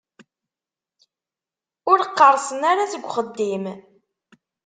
Ur qqerṣen ara seg uxeddim.